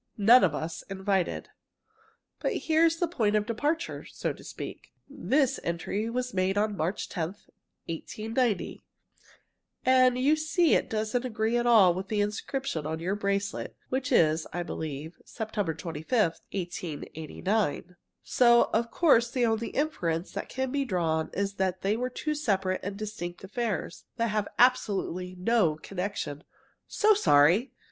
None of us invited._ "But here's the point of departure, so to speak. This entry was made on March 10, 1890, and you see it doesn't agree at all with the inscription on your bracelet, which is, I believe, September 25, 1889. So, of course, the only inference that can be drawn is that they were two separate and distinct affairs that have absolutely no connection. So sorry!